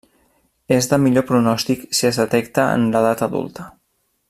És de millor pronòstic si es detecta en l'edat adulta.